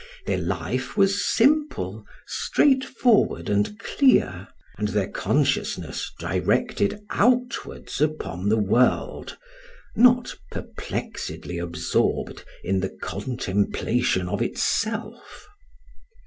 Their life was simple, straightforward and clear; and their consciousness directed outwards upon the world, not perplexedly absorbed in the contemplation of itself.